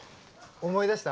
思い出した？